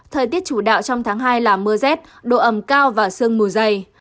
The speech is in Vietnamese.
thời tiết chủ đạo trong tháng hai là mưa rét độ ẩm cao và sương mù dày